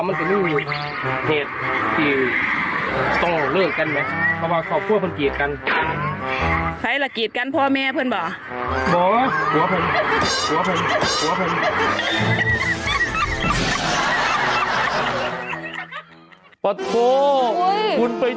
มันก็ไม่ได้ไง